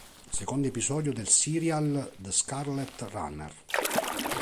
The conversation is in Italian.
Secondo episodio del serial "The Scarlet Runner".